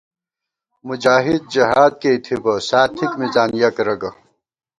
مجاہد جہاد کېئی تھِبہ، سا تھِک مِزان یَک رَگہ